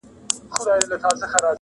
خپل یې د ټولو که ځوان که زوړ دی؛